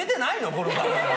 この番組。